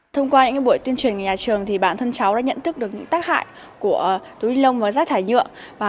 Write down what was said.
thông qua những buổi tuyên truyền nhà trường bản thân cháu đã nhận thức được những tác hại của túi ni lông và rác thải nhựa